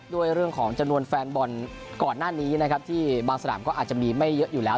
เรื่องของจำนวนแฟนบอลก่อนหน้านี้นะครับที่บางสนามก็อาจจะมีไม่เยอะอยู่แล้ว